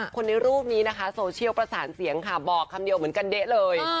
คนในรูปนี้นะคะโซเชียลประสานเสียงค่ะบอกคำเดียวเหมือนกันเด๊ะเลย